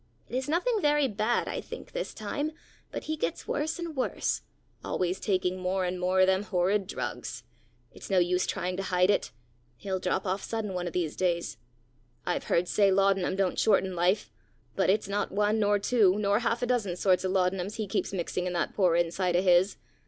"It is nothing very bad, I think, this time; but he gets worse and worse always taking more and more o' them horrid drugs. It's no use trying to hide it: he'll drop off sudden one o' these days! I've heard say laudanum don't shorten life; but it's not one nor two, nor half a dozen sorts o' laudanums he keeps mixing in that poor inside o' his!